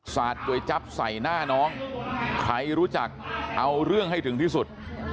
สาดโดยจับใส่หน้าน้องใครรู้จักเอาเรื่องให้ถึงที่สุด